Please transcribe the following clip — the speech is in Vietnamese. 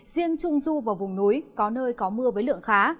riêng trung du và vùng núi có nơi có mưa với lượng khá